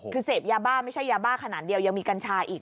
คือเสพยาบ้าไม่ใช่ยาบ้าขนาดเดียวยังมีกัญชาอีก